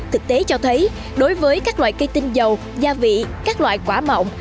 thực tế cho thấy đối với các loại cây tinh dầu gia vị các loại quả mộng